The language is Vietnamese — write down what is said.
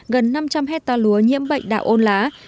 gần năm trăm linh hectare lúa nhiễm bệnh đạo ôn lá